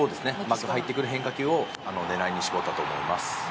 甘く入ってくる変化球に絞ったと思います。